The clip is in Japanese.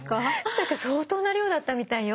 何か相当な量だったみたいよ。